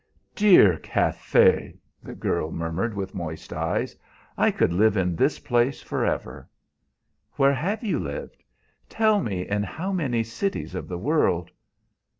"Dear Cathay!" the girl murmured, with moist eyes; "I could live in this place forever." "Where have you lived? Tell me in how many cities of the world."